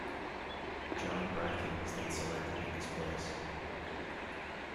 John Bracken was then selected in his place.